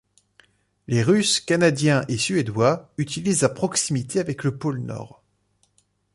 Les russes, canadiens et suédois utilisent la proximité avec le pôle Nord.